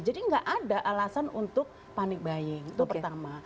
jadi nggak ada alasan untuk panic buying itu pertama